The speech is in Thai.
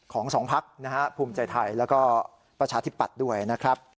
ของสองพักนะฮะภูมิใจไทยแล้วก็ประชาธิปัตย์ด้วยนะครับ